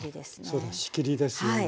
そうだ仕切りですよね。